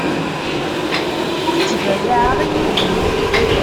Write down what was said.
Ur ttbayaɛeɣ i yiwen.